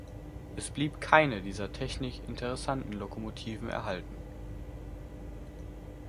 Es blieb keine dieser technisch interessanten Lokomotiven erhalten.